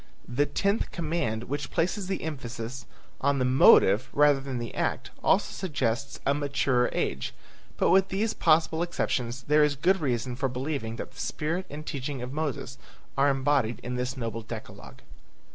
The tenth command which places the emphasis on the motive rather than the act also suggests a maturer age; but with these possible exceptions there is good reason for believing that the spirit and teaching of Moses are embodied in this noble decalogue.